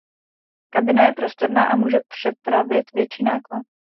Kabina je prostorná a může přepravit větší náklad.